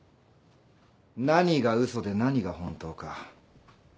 何が嘘で何が本当か。